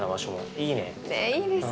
いいですね。